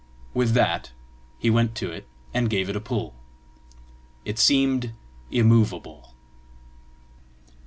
With that he went to it, and gave it a pull: it seemed immovable.